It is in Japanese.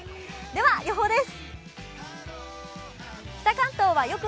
では予報です。